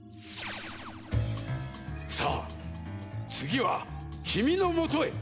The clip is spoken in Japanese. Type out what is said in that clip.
さあつぎはきみのもとへ！